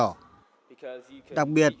đặc biệt là đối với các doanh nghiệp